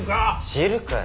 知るかよ。